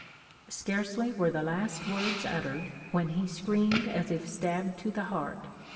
_] Scarcely were the last words uttered when he screamed as if stabbed to the heart.